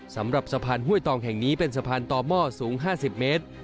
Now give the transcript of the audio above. สำหรับสะพานห้วยตองแห่งนี้เป็นสะพานต่อหม้อสูง๕๐เมตร